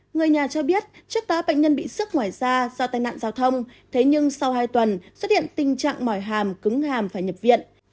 người nhà cho biết trước tám bệnh nhân bị sức ngoài da do tai nạn giao thông thế nhưng sau hai tuần xuất hiện tình trạng mỏi hàm cứng hàm phải nhập viện